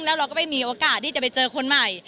แล้วเราก็ไม่มีโอกาสที่จะไปเจอคนใหม่